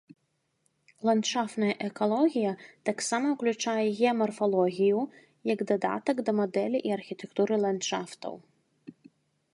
Ландшафтная экалогія таксама ўключае геамарфалогію, як дадатак да мадэлі і архітэктуры ландшафтаў.